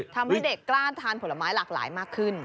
ทำให้เด็กกล้าทานผลไม้หลากหลายมากขึ้น